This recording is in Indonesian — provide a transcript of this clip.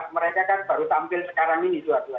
mereka kan baru tampil sekarang ini